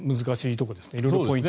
難しいところですね。